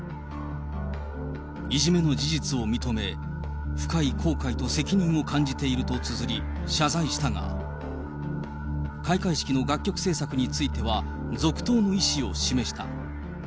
いじめの事実を認め、深い後悔と責任を感じているとつづり謝罪したが、開会式の楽曲制作については続投の意思を示した。